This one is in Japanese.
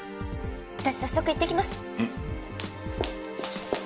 私早速行ってきます。